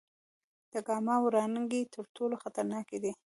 د ګاما وړانګې تر ټولو خطرناکې دي.